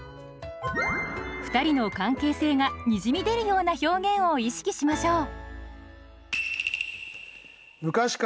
ふたりの関係性がにじみ出るような表現を意識しましょう。